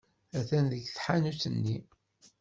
Atan deg tḥanut-nni.